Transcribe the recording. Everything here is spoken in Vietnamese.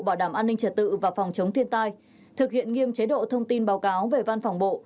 bảo đảm an ninh trật tự và phòng chống thiên tai thực hiện nghiêm chế độ thông tin báo cáo về văn phòng bộ